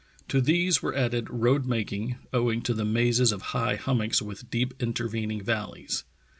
To these were added road making, owing to the mazes of high hummocks with deep inter vening valleys.